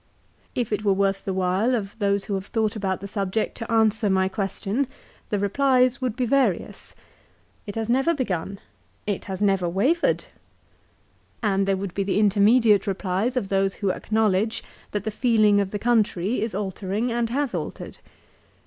If it were worth the while of those who have thought about the subject to answer my question, the replies would be various. It has never begun ! It has never wavered ! And there would be the intermediate replies of those who acknowledge that the feeling of the country is altering and has altered.